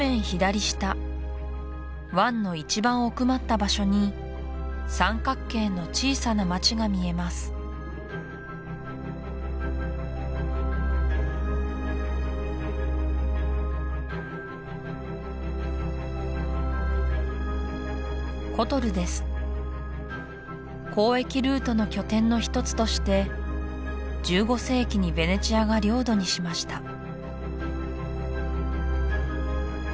左下湾の一番奥まった場所に三角形の小さな街が見えます交易ルートの拠点の一つとして１５世紀にヴェネツィアが領土にしました